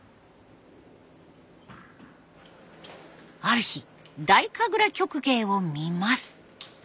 ある日太神楽曲芸を見ます。